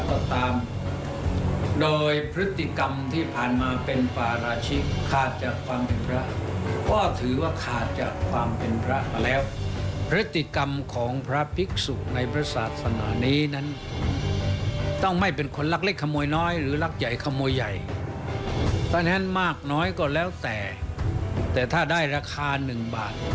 ภาษาอศภาษาอศภาษาอศภาษาอศภาษาอศภาษาอศภาษาอศภาษาอศภาษาอศภาษาอศภาษาอศภาษาอศภาษาอศภาษาอศภาษาอศภาษาอศภาษาอศภาษาอศภาษ